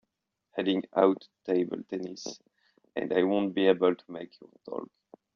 Heading out to table tennis and I won’t be able to make your talk.